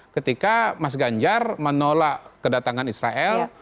ketika mas ganjar menolak kedatangan israel